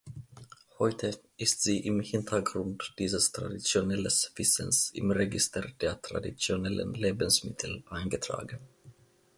Heute ist sie im Hintergrund dieses Traditionelles Wissens im Register der Traditionellen Lebensmittel eingetragen.